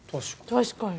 確かに。